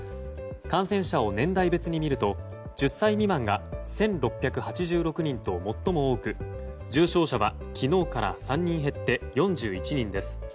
感染者を年代別にみると１０歳未満が１６８６人と最も多く重症者は昨日から３人減って４１人です。